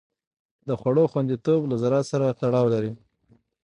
د خوړو خوندیتوب له زراعت سره تړاو لري.